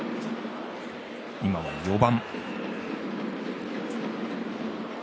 今は４番。